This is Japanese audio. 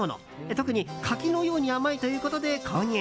特に柿のように甘いということで購入。